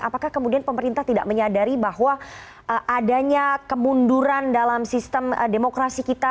apakah kemudian pemerintah tidak menyadari bahwa adanya kemunduran dalam sistem demokrasi kita